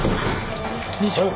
姉ちゃん。